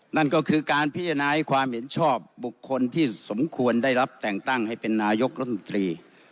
นั่นก็คือการพิจารณาให้ความเห็นชอบบุคคลที่สมควรได้รับแต่งตั้งให้เป็นนายกรัฐมนตรี